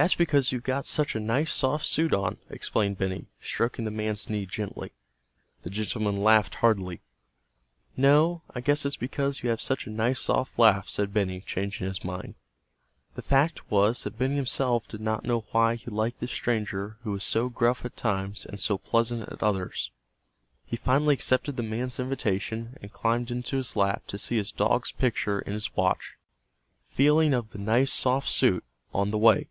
"That's because you've got such a nice, soft suit on," explained Benny, stroking the man's knee gently. The gentleman laughed heartily. "No, I guess it's because you have such a nice, soft laugh," said Benny changing his mind. The fact was that Benny himself did not know why he liked this stranger who was so gruff at times and so pleasant at others. He finally accepted the man's invitation and climbed into his lap to see his dog's picture in his watch, feeling of the "nice soft suit," on the way.